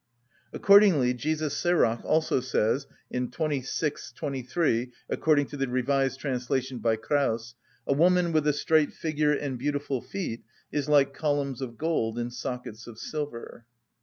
Accordingly Jesus Sirach also says (xxvi. 23, according to the revised translation by Kraus): "A woman with a straight figure and beautiful feet is like columns of gold in sockets of silver."